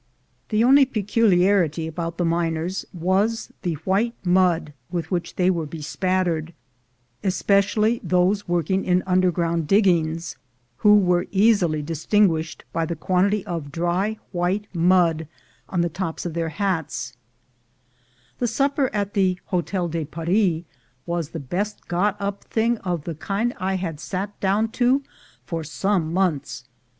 The only peculiarity about the miners was the white mud with which they were bespattered, espe cially those working in underground diggings, who were easily distinguished by the quantity of dry white mud on the tops of their hats. URSUS HORRIBILIS 183 The supper at the Hotel de Paris was the best got up thing of the kind I had sat down to for some months.